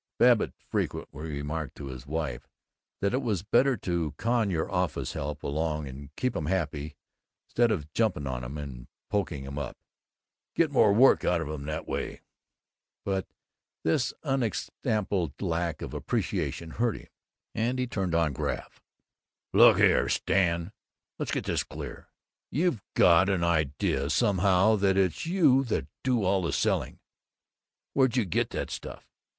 Babbitt frequently remarked to his wife that it was better to "con your office help along and keep 'em happy 'stead of jumping on 'em and poking 'em up get more work out of 'em that way," but this unexampled lack of appreciation hurt him, and he turned on Graff: "Look here, Stan; let's get this clear. You've got an idea somehow that it's you that do all the selling. Where d' you get that stuff?